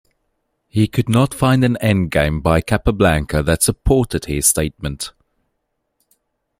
He could not find an endgame by Capablanca that supported his statement.